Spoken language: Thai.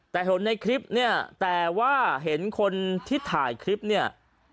แต่เห็นในคลิปเนี่ยแต่ว่าเห็นคนที่ถ่ายคลิปเนี่ย